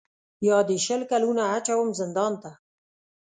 یا دي شل کلونه اچوم زندان ته